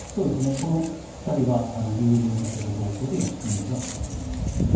この２人は留任させる方向で今、調整が進んでいます。